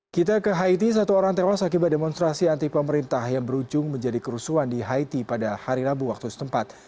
kita ke haiti satu orang tewas akibat demonstrasi anti pemerintah yang berujung menjadi kerusuhan di haiti pada hari rabu waktu setempat